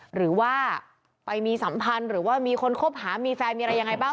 หรือว่าไปมีสัมพันธ์หรือว่ามีคนคบหามีแฟนมีอะไรยังไงบ้าง